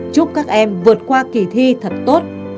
chúc các em vượt qua kỳ thi thật tốt